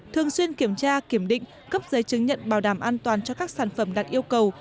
thường xuyên kiểm tra kiểm định cấp giấy chứng nhận bảo đảm an toàn cho các sản phẩm đạt yêu cầu